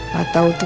ma tau tuh